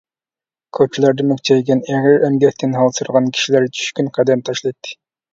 كوچىلاردا مۈكچەيگەن، ئېغىر ئەمگەكتىن ھالسىرىغان كىشىلەر چۈشكۈن قەدەم تاشلايتتى.